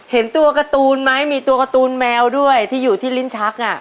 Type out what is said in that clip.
เห็นตัวการ์ตูนไหมมีตัวการ์ตูนแมวด้วยที่อยู่ที่ลิ้นชัก